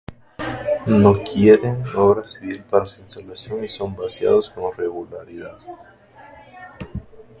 No requieren obra civil para su instalación y son vaciados con regularidad.